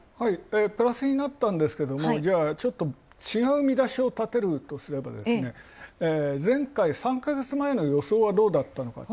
プラスになったんですけどちょっと違う見出しを立てるとするなら前回３か月前の予想はどうだったのかと。